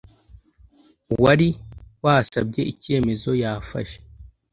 uwari wasabye icyemezo yafashe